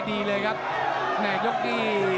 แล้วทีมงานน่าสื่อ